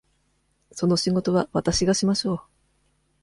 その仕事はわたしがしましょう。